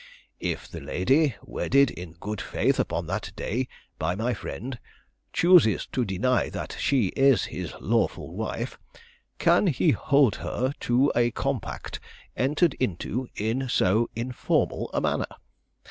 If the lady, wedded in good faith upon that day by my friend, chooses to deny that she is his lawful wife, can he hold her to a compact entered into in so informal a manner?